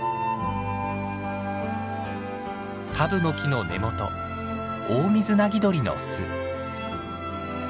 タブノキの根元オオミズナギドリの巣。